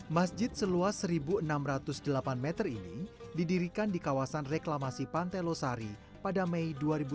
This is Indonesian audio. masjid seluas satu enam ratus delapan meter ini didirikan di kawasan reklamasi pantai losari pada mei dua ribu tujuh belas